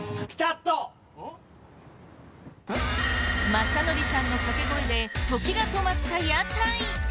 まさのりさんの掛け声で時が止まった屋台！